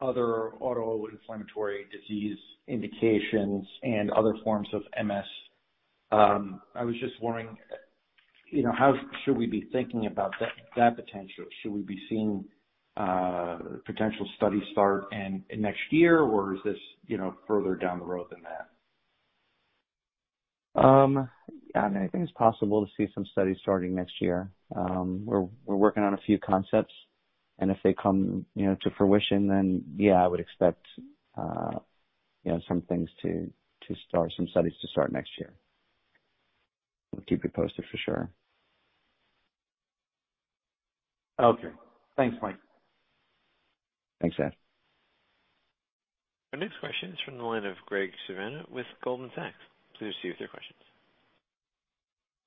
other autoinflammatory disease indications and other forms of MS. I was just wondering, how should we be thinking about that potential? Should we be seeing potential study start in next year, or is this further down the road than that? I think it's possible to see some studies starting next year. We're working on a few concepts. If they come to fruition, yeah, I would expect some studies to start next year. We'll keep you posted for sure. Okay. Thanks, Michael. Thanks, Ed. Our next question is from the line of Graig Suvannavejh with Goldman Sachs. Please proceed with your questions.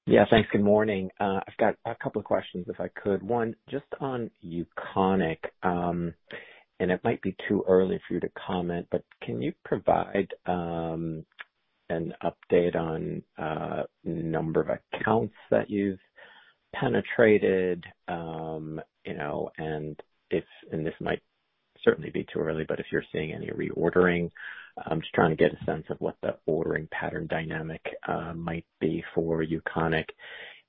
Yeah, thanks. Good morning. I've got a couple of questions, if I could. One, just on UKONIQ, and it might be too early for you to comment, but can you provide an update on number of accounts that you've penetrated? This might certainly be too early, but if you're seeing any reordering. I'm just trying to get a sense of what the ordering pattern dynamic might be for UKONIQ.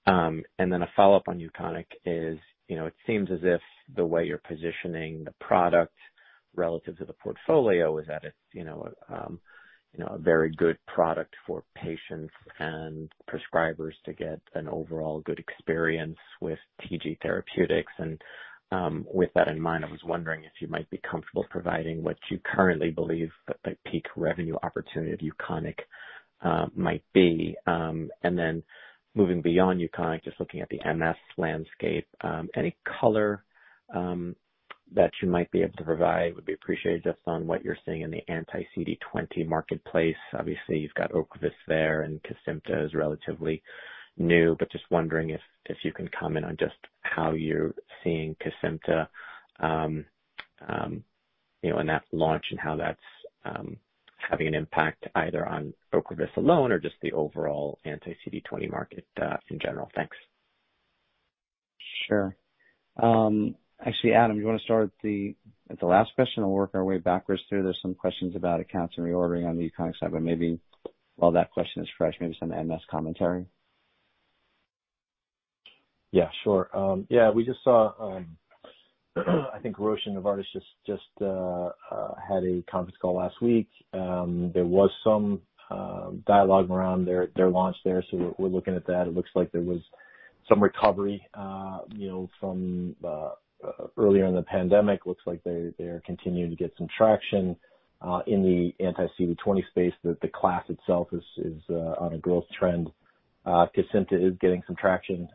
Then a follow-up on UKONIQ is, it seems as if the way you're positioning the product relative to the portfolio is that it's a very good product for patients and prescribers to get an overall good experience with TG Therapeutics. With that in mind, I was wondering if you might be comfortable providing what you currently believe the peak revenue opportunity of UKONIQ might be. Moving beyond UKONIQ, just looking at the MS landscape, any color that you might be able to provide would be appreciated just on what you're seeing in the anti-CD20 marketplace. Obviously, you've got Ocrevus there, and Kesimpta is relatively new, but just wondering if you can comment on just how you're seeing Kesimpta in that launch and how that's having an impact either on Ocrevus alone or just the overall anti-CD20 market, in general. Thanks. Sure. Actually, Adam, you want to start at the last question? I'll work our way backwards through. There's some questions about accounts and reordering on the UKONIQ side, but maybe while that question is fresh, maybe some MS commentary. We just saw, I think Roche and Novartis just had a conference call last week. There was some dialogue around their launch there. We're looking at that. It looks like there was some recovery from earlier in the pandemic. Looks like they're continuing to get some traction in the anti-CD20 space. The class itself is on a growth trend. Kesimpta is getting some traction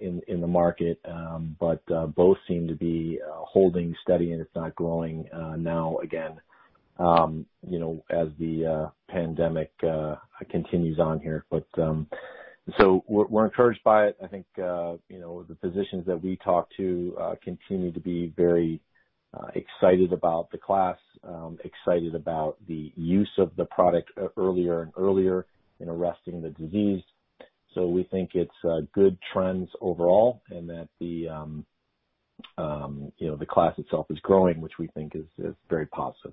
in the market, but both seem to be holding steady and it's not growing now again as the pandemic continues on here. We're encouraged by it. I think the physicians that we talk to continue to be very excited about the class, excited about the use of the product earlier and earlier in arresting the disease. We think it's good trends overall and that the class itself is growing, which we think is very positive.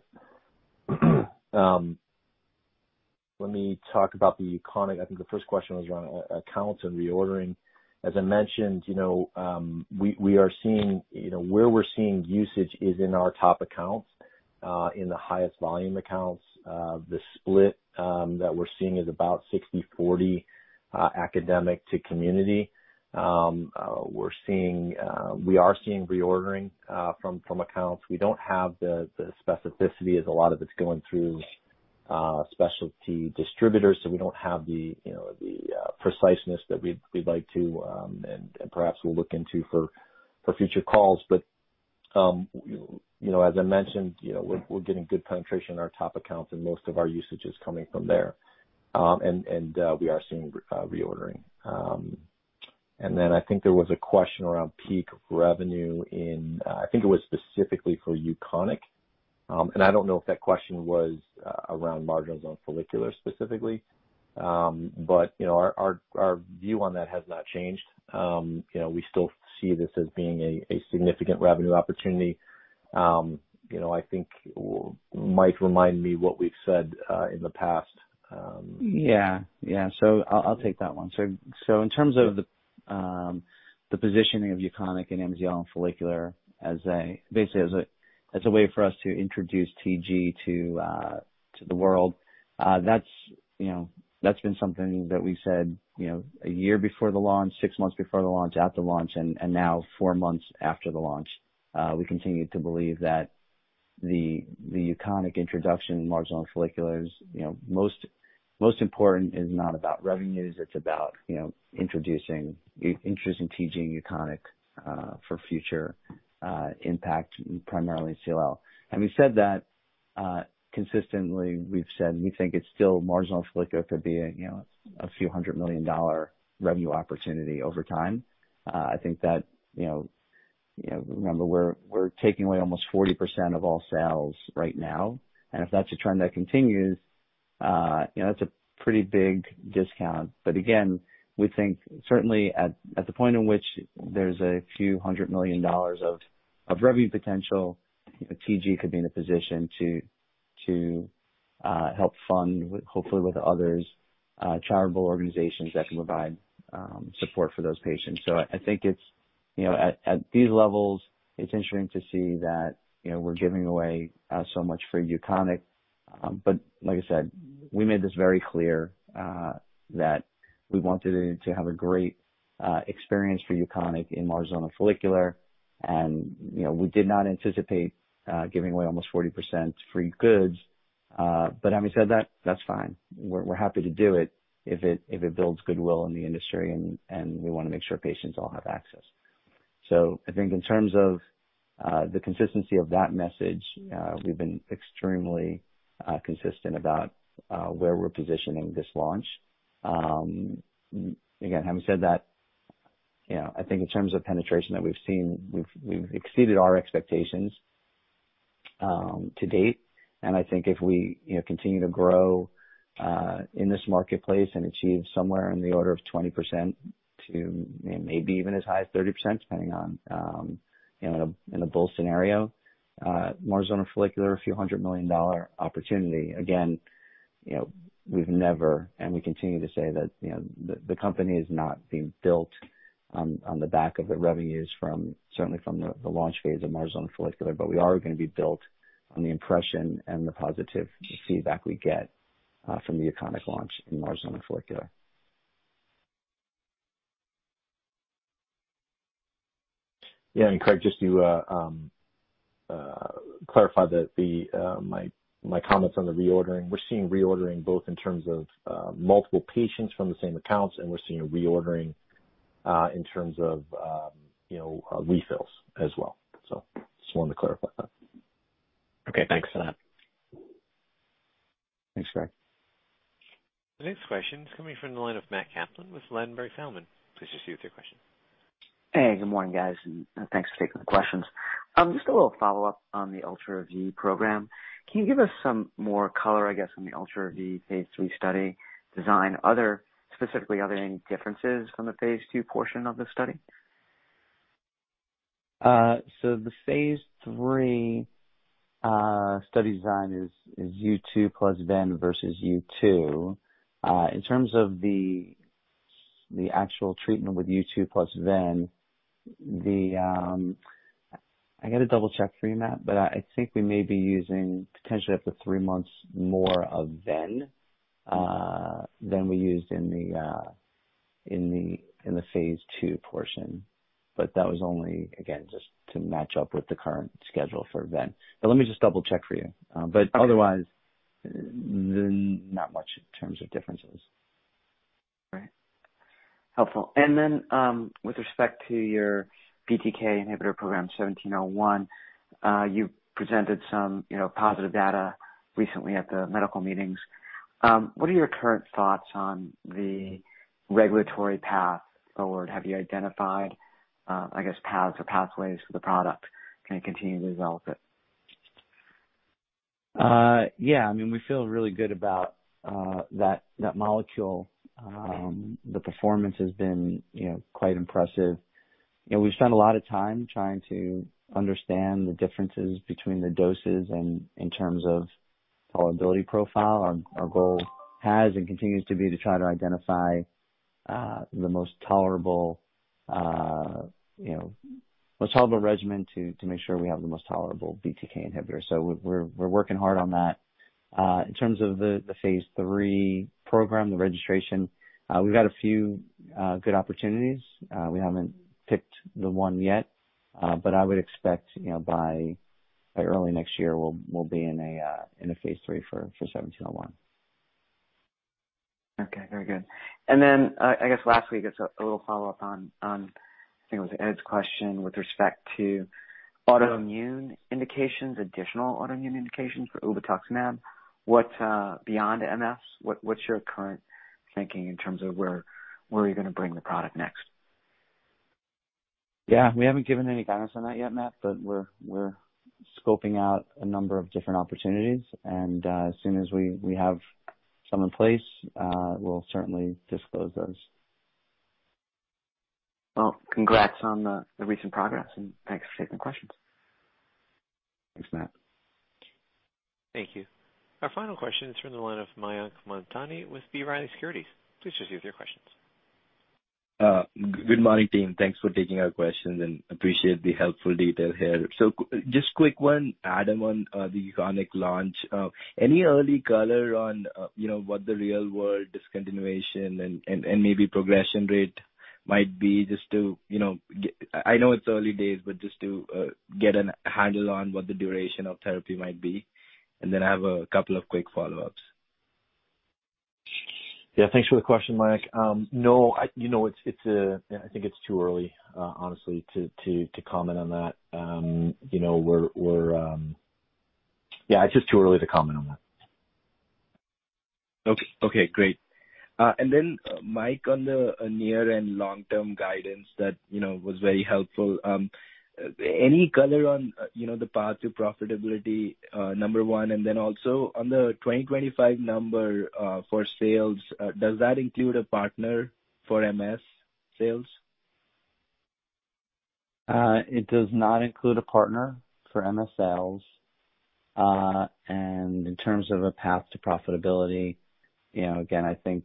Let me talk about the UKONIQ. I think the first question was around accounts and reordering. As I mentioned, where we're seeing usage is in our top accounts, in the highest volume accounts. The split that we're seeing is about 60/40 academic to community. We are seeing reordering from accounts. We don't have the specificity as a lot of it's going through specialty distributors. We don't have the preciseness that we'd like to, and perhaps we'll look into for future calls. As I mentioned, we're getting good penetration in our top accounts and most of our usage is coming from there. We are seeing reordering. I think there was a question around peak revenue in, I think it was specifically for UKONIQ. I don't know if that question was around marginal zone follicular specifically. Our view on that has not changed. We still see this as being a significant revenue opportunity. I think Mike, remind me what we've said in the past? Yeah. I'll take that one. In terms of the positioning of UKONIQ in MZ follicular basically as a way for us to introduce TG to the world, that's been something that we've said one year before the launch, six months before the launch, at the launch, and now four months after the launch. We continue to believe that the UKONIQ introduction in marginal zone follicular is most important is not about revenues, it's about introducing interest in TG and UKONIQ for future impact, primarily in CLL. We've said that consistently. We've said we think it's still marginal zone follicular could be a few hundred million dollar revenue opportunity over time. I think that, remember, we're taking away almost 40% of all sales right now, and if that's a trend that continues, that's a pretty big discount. Again, we think certainly at the point in which there's a few hundred million dollars of revenue potential, TG could be in a position to help fund, hopefully with others, charitable organizations that can provide support for those patients. I think at these levels, it's interesting to see that we're giving away so much free UKONIQ. Like I said, we made this very clear, that we wanted to have a great experience for UKONIQ in marginal zone follicular. We did not anticipate giving away almost 40% free goods. Having said that's fine. We're happy to do it if it builds goodwill in the industry, and we want to make sure patients all have access. I think in terms of the consistency of that message, we've been extremely consistent about where we're positioning this launch. Having said that, I think in terms of penetration that we've seen, we've exceeded our expectations to date, and I think if we continue to grow in this marketplace and achieve somewhere in the order of 20% to maybe even as high as 30%, depending on in a bull scenario, marginal zone follicular, a few hundred million dollar opportunity. We've never, and we continue to say that the company is not being built on the back of the revenues from certainly from the launch phase of marginal zone follicular, but we are going to be built on the impression and the positive feedback we get from the UKONIQ launch in marginal zone and follicular. Yeah. Graig, just to clarify my comments on the reordering. We're seeing reordering both in terms of multiple patients from the same accounts, and we're seeing a reordering in terms of refills as well. Just wanted to clarify that. Okay, thanks for that. Thanks, Graig. The next question is coming from the line of Matt Kaplan with Ladenburg Thalmann. Please proceed with your question. Hey, good morning, guys, and thanks for taking the questions. Just a little follow-up on the ULTRA-V program. Can you give us some more color, I guess, on the ULTRA-V phase III study design? Specifically, are there any differences from the phase II portion of the study? The phase III study design is U2 plus VEN versus U2. In terms of the actual treatment with U2 plus VEN, I got to double-check for you, Matt, but I think we may be using potentially up to three months more of VEN than we used in the phase II portion. That was only, again, just to match up with the current schedule for VEN. Let me just double-check for you. Otherwise, not much in terms of differences. Right. Helpful. Then, with respect to your BTK inhibitor program 1701, you presented some positive data recently at the medical meetings. What are your current thoughts on the regulatory path forward? Have you identified, I guess, paths or pathways for the product? Can you continue to develop it? Yeah. I mean, we feel really good about that molecule. The performance has been quite impressive. We've spent a lot of time trying to understand the differences between the doses and in terms of tolerability profile. Our goal has and continues to be to try to identify the most tolerable regimen to make sure we have the most tolerable BTK inhibitor. We're working hard on that. In terms of the phase III program, the registration, we've got a few good opportunities. We haven't picked the one yet, but I would expect by early next year, we'll be in a phase III for 1701. Okay, very good. I guess lastly, just a little follow-up on, I think it was Ed's question with respect to autoimmune indications, additional autoimmune indications for ublituximab. Beyond MS, what's your current thinking in terms of where you're going to bring the product next? Yeah. We haven't given any guidance on that yet, Matt, but we're scoping out a number of different opportunities, and as soon as we have some in place, we'll certainly disclose those. Well, congrats on the recent progress, and thanks for taking the questions. Thanks, Matt. Thank you. Our final question is from the line of Mayank Mamtani with B. Riley Securities. Please proceed with your questions. Good morning, team. Thanks for taking our questions and appreciate the helpful detail here. Just a quick one, Adam, on the UKONIQ launch. Any early color on what the real-world discontinuation and maybe progression rate might be? I know it's early days, but just to get a handle on what the duration of therapy might be, and then I have a couple of quick follow-ups. Yeah, thanks for the question, Mayank. No, I think it's too early, honestly, to comment on that. It's just too early to comment on that. Okay, great. Mike, on the near and long-term guidance, that was very helpful. Any color on the path to profitability, number one, also on the 2025 number for sales, does that include a partner for MS sales? It does not include a partner for MS sales. In terms of a path to profitability, again, I think,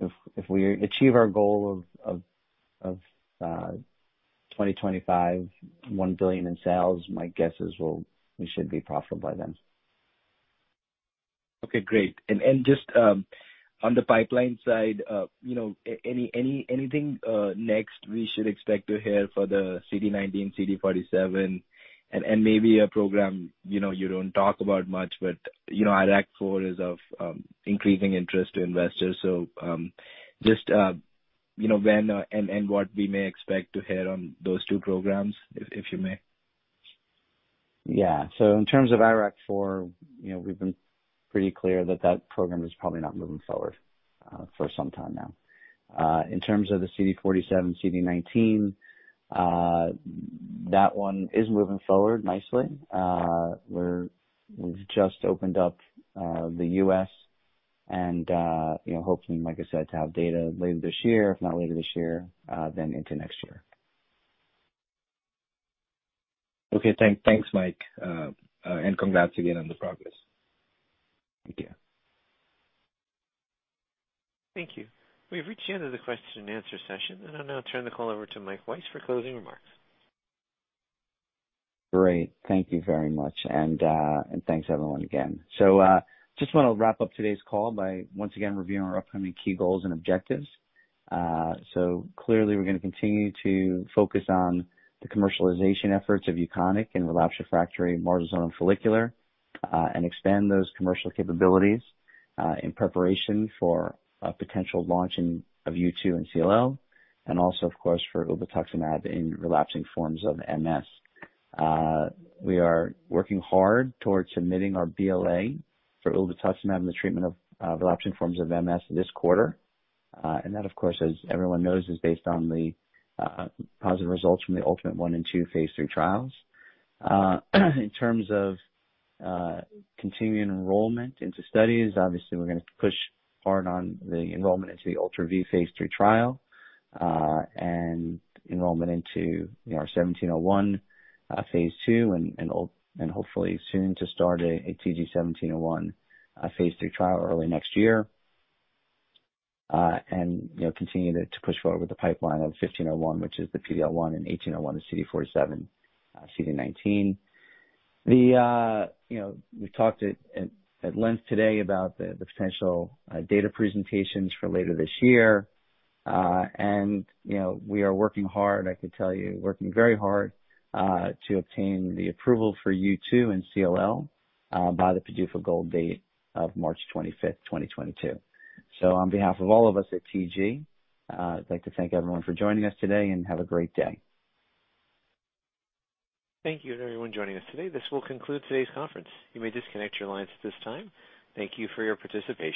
if we achieve our goal of 2025, $1 billion in sales, my guess is we should be profitable by then. Okay, great. Just on the pipeline side, anything next we should expect to hear for the CD19, CD47, and maybe a program you don't talk about much, but IRAK4 is of increasing interest to investors. Just when and what we may expect to hear on those two programs, if you may. Yeah. In terms of IRAK4, we've been pretty clear that that program is probably not moving forward for some time now. In terms of the CD47, CD19, that one is moving forward nicely. We've just opened up the U.S. and hoping, like I said, to have data later this year. If not later this year, into next year. Okay. Thanks, Michael Weiss, and congrats again on the progress. Take care. Thank you. We have reached the end of the question-and-answer session. I'll now turn the call over to Michael Weiss for closing remarks. Great. Thank you very much, and thanks, everyone, again. Just want to wrap up today's call by once again reviewing our upcoming key goals and objectives. Clearly we're going to continue to focus on the commercialization efforts of UKONIQ in relapsed/refractory marginal zone lymphoma, and expand those commercial capabilities in preparation for a potential launching of U2 in CLL, and also, of course, for ublituximab in relapsing forms of MS. We are working hard towards submitting our BLA for ublituximab in the treatment of relapsing forms of MS this quarter. That, of course, as everyone knows, is based on the positive results from the ULTIMATE I & II phase III trials. In terms of continuing enrollment into studies, obviously, we're going to push hard on the enrollment into the ULTRA-V phase III trial, and enrollment into our 1701 phase II, and hopefully soon to start a TG-1701 phase III trial early next year. Continue to push forward with the pipeline of 1501, which is the PD-L1, and 1801, the CD47/CD19. We've talked at length today about the potential data presentations for later this year. We are working hard, I can tell you, working very hard, to obtain the approval for U2 in CLL by the PDUFA goal date of March 25th, 2022. On behalf of all of us at TG, I'd like to thank everyone for joining us today, and have a great day. Thank you everyone joining us today. This will conclude today's conference. You may disconnect your lines at this time. Thank you for your participation.